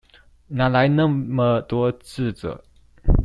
哪來那麼多智者